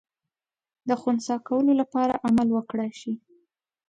د خنثی کولو لپاره عمل وکړای سي.